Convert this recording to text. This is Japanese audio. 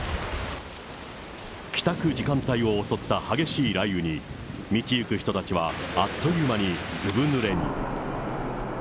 帰宅時間帯を襲った激しい雷雨に、道行く人たちはあっという間にずぶぬれに。